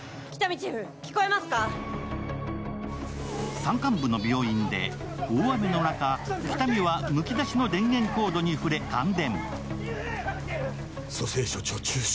山間部の病院で大雨の中、喜多見はむき出しの電源コードに触れ感電。